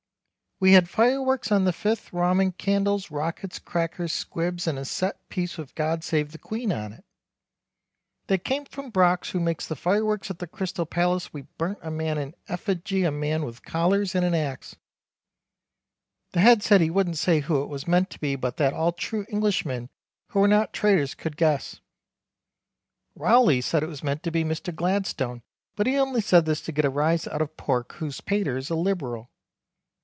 We had fireworks on the 5th romman candles rockets crackers squibs and a set piece with God Save the Queen on it. They came from Broks who makes the fireworks at the Crystal palace we burnt a man in effigee a man with collars and an axe. The Head said he wouldn't say who it was meant to be but that all true Englishmen who were not traiters could guess. Rowley said it was meant to be Mister Gladstone but he only said this to get a rise out of Pork whose paters a liberal.